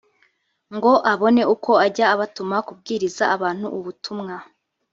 ngo abone uko ajya abatuma kubwiriza abantu ubutumwa